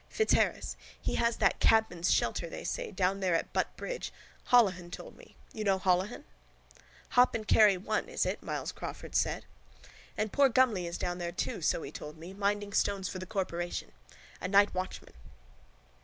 Fitzharris. He has that cabman's shelter, they say, down there at Butt bridge. Holohan told me. You know Holohan? —Hop and carry one, is it? Myles Crawford said. —And poor Gumley is down there too, so he told me, minding stones for the corporation. A night watchman.